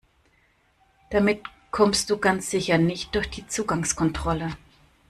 Damit kommst du ganz sicher nicht durch die Zugangskontrolle.